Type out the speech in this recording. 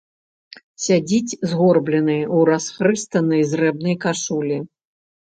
Сядзіць згорблены ў расхрыстанай зрэбнай кашулі.